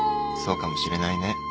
そうかもしれないね。